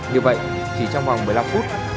như vậy chỉ trong vòng một mươi năm phút